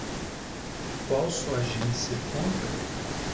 Qual sua agência e conta?